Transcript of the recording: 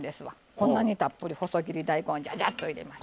こんなにたっぷり細切り大根ジャジャッと入れます。